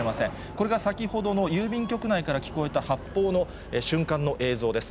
これが先ほどの郵便局内から聞こえた発砲の瞬間の映像です。